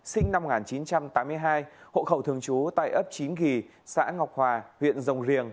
sinh năm một nghìn chín trăm tám mươi hai hộ khẩu thường trú tại ấp chín xã ngọc hòa huyện rồng riềng